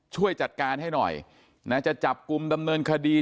ช่วยจัดการให้หน่อยนะจะจับกลุ่มดำเนินคดี